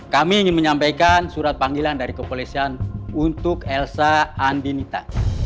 kami ingin menyampaikan surat panggilan dari kepolisian untuk elsa andi nita